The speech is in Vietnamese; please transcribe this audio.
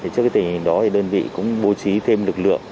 trước tình hình đó đơn vị cũng bố trí thêm lực lượng